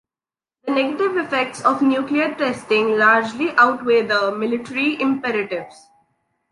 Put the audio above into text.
The negative effects of nuclear testing largely outweigh the military imperatives.